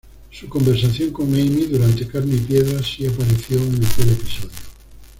Su conversación con Amy durante "Carne y piedra" sí apareció en aquel episodio.